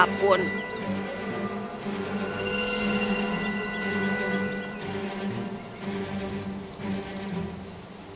tikus yang menyamar sebagai pelayan menggoda rosali